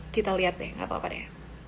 kita lihat deh gak apa apa deh